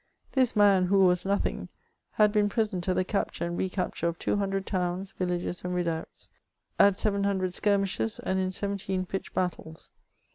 This man who was nothing^ had been present at the capture and re capture of two hundred towns, villages, and redoubts ; at sev^n hundred skirmishes, and in seventeen pitched battles.